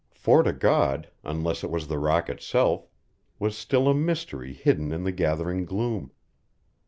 Fort o' God, unless it was the rock itself, was still a mystery hidden in the gathering gloom.